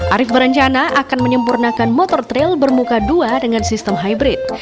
arief berencana akan menyempurnakan motor trail bermuka dua dengan sistem hybrid